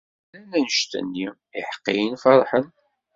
Mi walan annect nni, iḥeqqiyen ferḥen.